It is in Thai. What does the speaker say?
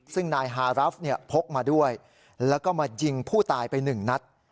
ซึ่งนายฮารัฟเนี่ยพกมาด้วยแล้วก็มายิงผู้ตายไปหนึ่งนัด